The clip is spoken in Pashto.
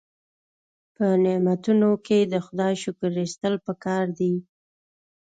په نعمتونو کې د خدای شکر ایستل پکار دي.